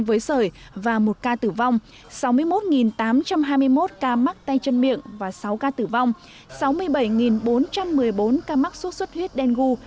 với sởi và một ca tử vong sáu mươi một tám trăm hai mươi một ca mắc tay chân miệng và sáu ca tử vong sáu mươi bảy bốn trăm một mươi bốn ca mắc sốt xuất huyết đen gu